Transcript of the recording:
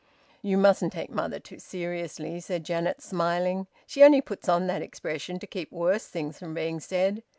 "You mustn't take mother too seriously," said Janet, smiling. "She only puts on that expression to keep worse things from being said.